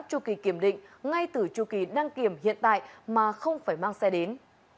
tru kỳ kiểm định ngay từ tru kỳ năng kiểm hiện tại mà không phải mang xe đến